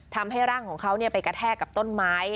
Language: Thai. ทำให้ร่างของเขาไปกระแทกกับต้นไม้